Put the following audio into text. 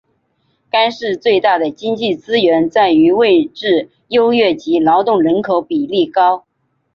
该市最大的经济资源在于位置优越及劳动人口比例高。